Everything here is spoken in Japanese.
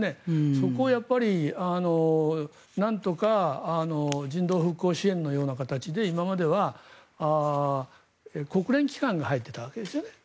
そこをなんとか人道復興支援のような形で今までは国連機関が入っていたわけですよね。